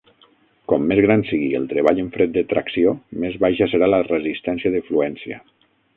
Com més gran sigui el treball en fred de tracció, més baixa serà la resistència de fluència.